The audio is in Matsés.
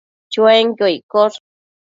Chuenquio iccosh